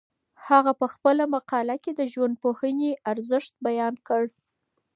هغه په خپله مقاله کي د ژوندپوهنې ارزښت بیان کړ.